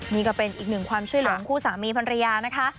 นี่ก็เป็นอีกหนึ่งความช่วยเหลือคู่สามีภรรยานะคะ